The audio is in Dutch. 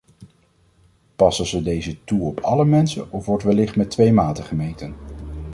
Passen ze deze toe op alle mensen of wordt wellicht met twee maten gemeten?